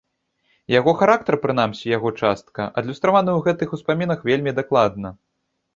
Яго характар, прынамсі яго частка, адлюстраваны ў гэтых успамінах вельмі даклада.